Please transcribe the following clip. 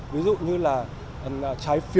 ví dụ như là trái phiên